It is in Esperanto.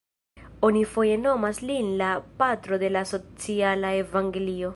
Oni foje nomas lin "la Patro de la Sociala Evangelio".